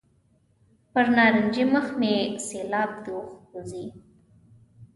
پر نارنجي مخ مې سېلاب د اوښکو ځي.